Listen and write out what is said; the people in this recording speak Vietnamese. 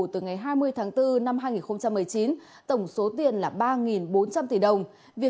từ ngày hai mươi tháng bốn năm hai nghìn một mươi chín tổng số tiền là ba bốn trăm linh tỷ đồng